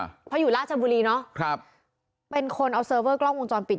เพราะอยู่ราชบุรีเนอะครับเป็นคนเอาเซอร์เวอร์กล้องวงจรปิด